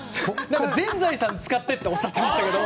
全財産使ってっておっしゃってましたけど。